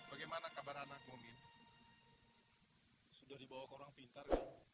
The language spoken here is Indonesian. bagaimana kabar anak mungkin sudah dibawa ke orang pintar